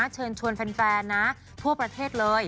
เชิญชวนแฟนนะทั่วประเทศเลย